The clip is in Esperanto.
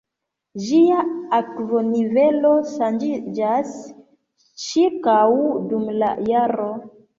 Ĝia akvonivelo ŝanĝiĝas ĉirkaŭ dum la jaro.